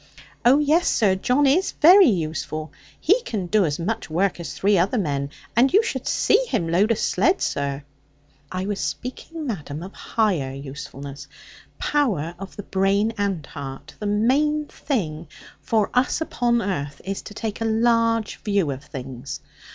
'Oh yes, sir, John is very useful. He can do as much work as three other men; and you should see him load a sledd, sir.' 'I was speaking, madam, of higher usefulness, power of the brain and heart. The main thing for us upon earth is to take a large view of things.